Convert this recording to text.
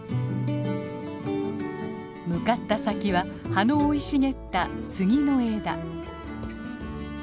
向かった先は葉の生い茂ったスギの枝。